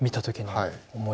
はい。